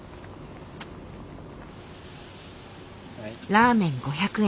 ラーメン５００円。